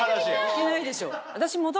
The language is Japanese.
いけないでしょ。